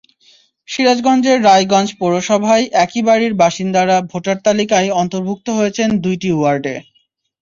সিরাজগঞ্জের রায়গঞ্জ পৌরসভায় একই বাড়ির বাসিন্দারা ভোটার তালিকায় অন্তর্ভুক্ত হয়েছেন দুইটি ওয়ার্ডে।